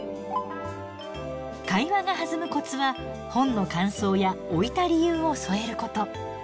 会話が弾むコツは本の感想や置いた理由を添えること。